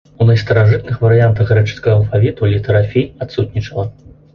У найстаражытных варыянтах грэчаскага алфавіту літара фі адсутнічала.